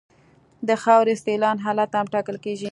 د خاورې سیلان حالت هم ټاکل کیږي